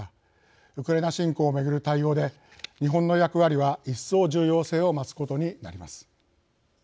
ウクライナ侵攻を巡る対応で日本の役割は一層重要性を増すことになります。